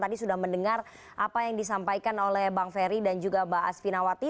tadi sudah mendengar apa yang disampaikan oleh bang ferry dan juga mbak asvinawati